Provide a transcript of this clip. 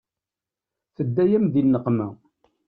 Tedda-yam di nneqma.